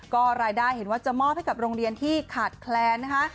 ก็รายได้เห็นว่าจะมอบให้กับโรงเรียนที่ขาดแคลนนะคะ